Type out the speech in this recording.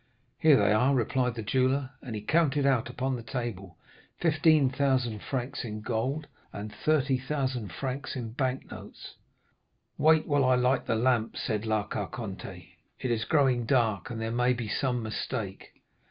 "'Here they are,' replied the jeweller, and he counted out upon the table 15,000 francs in gold, and 30,000 francs in bank notes. "'Wait whilst I light the lamp,' said La Carconte; 'it is growing dark, and there may be some mistake.